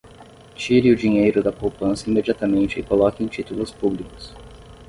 Tire o dinheiro da poupança imediatamente e coloque em títulos públicos